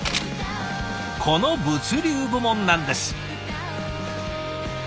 この物流部門なんです。